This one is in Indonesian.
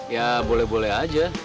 ya boleh boleh aja